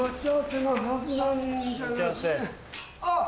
あっ！